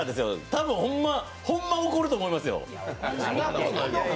多分ほんま怒ると思いますよ。